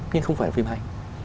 nhưng không phải là phim hay